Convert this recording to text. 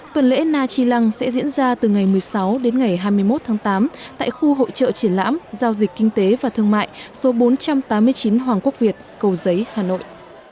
tuần lễ na chi lăng sẽ diễn ra từ ngày một mươi sáu đến ngày hai mươi một tháng tám tại khu hội trợ triển lãm giao dịch kinh tế và thương mại số bốn trăm tám mươi chín hoàng quốc việt cầu giấy hà nội